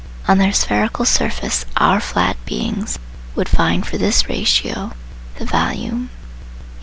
On their spherical surface our flat beings would find for this ratio the value eq.